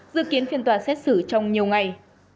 dự kiến phiên tòa xét xử trong nhiều ngày